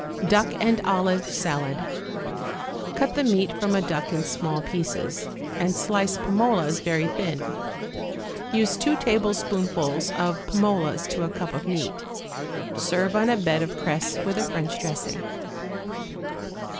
=Duck and Olive Salad.= Cut the meat from a duck in small pieces, and slice pim olas very thin; use two tablespoonfuls of pim olas to a cup of meat. Serve on a bed of cress with a French dressing.